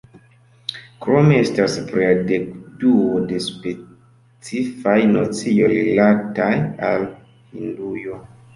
Krome estas plia dekduo de specifaj nocioj rilataj al Hindujo.